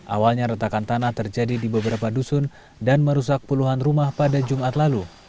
awalnya retakan tanah terjadi di beberapa dusun dan merusak puluhan rumah pada jumat lalu